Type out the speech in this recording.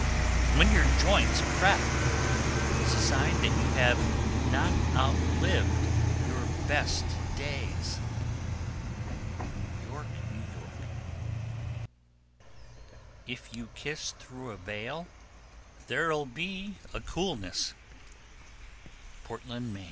When your joints crack, it is a sign that you have not outlived your best days. New York, N.Y. 1301. If you kiss through a veil, there'll be a coolness. _Portland, Me.